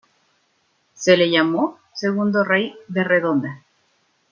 Se le llamó segundo Rey de Redonda.